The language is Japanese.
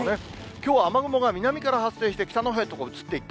きょうは雨雲が南から発生して、北のほうへと移っていった。